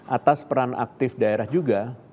atas peran aktif daerah juga